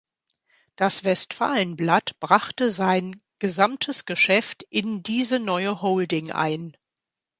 Das Westfalen-Blatt brachte sein gesamtes Geschäft in diese neue Holding ein.